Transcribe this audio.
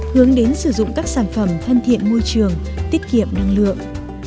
hướng đến sử dụng các sản phẩm thân thiện môi trường tiết kiệm năng lượng